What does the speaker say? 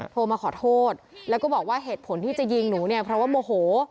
โทรมาขอโทษแล้วก็บอกว่าเหตุผลที่จะยิงหนูเนี่ยเพราะว่าโมโห